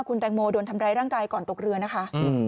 คุณแตงโมโดนทำร้ายร่างกายก่อนตกเรือนะคะ